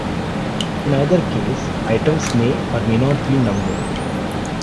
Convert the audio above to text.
In either case, items may or may not be numbered.